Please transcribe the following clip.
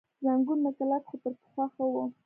زنګون مې کلک، خو تر پخوا ښه و.